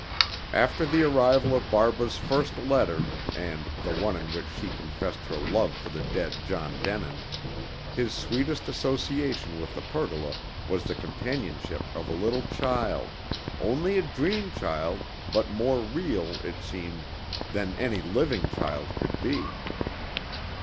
After the arrival of Barbara's first letter, and the one in which she confessed her love for the dead John Denin, his sweetest association with the pergola was the companionship of a little child only a dream child, but more real, it seemed, than any living child could be.